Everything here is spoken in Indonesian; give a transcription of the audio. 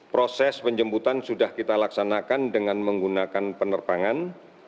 proses penjemputan sudah kita laksanakan dengan menggunakan penerbangan